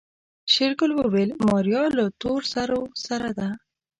شېرګل وويل ماريا له تورسرو سره ده.